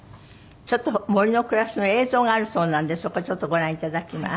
ちょっと森の暮らしの映像があるそうなんでそこちょっとご覧いただきます。